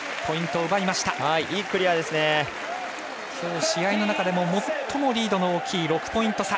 きょう試合の中でも最もリードの大きい６ポイント差。